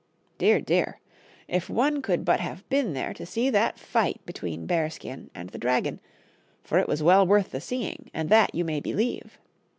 Dear, dear ! if one could but have been there to see that fight between Bearskin and the dragon, for it was well worth the seeing, and that you may believe.